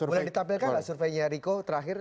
boleh ditampilkan nggak surveinya riko terakhir